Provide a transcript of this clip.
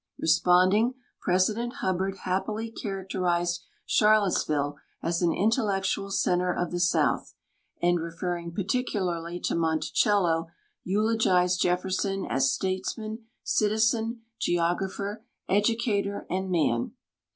Pesi)onding, President Ilubbanl happily characterized Char lottesville as an intellectual center of the south, and, referring ))articularly to Monticello, eulogized .Telfer.son as statesman, citi zen, geographer, educator, and man.